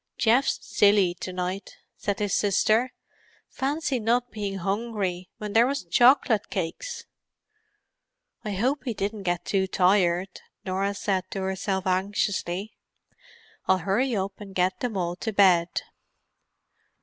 "Geoff's silly to night," said his sister. "Fancy not bein' hungry when there was choc'lit cakes!" "I hope he didn't get too tired," Norah said to herself anxiously. "I'll hurry up and get them all to bed."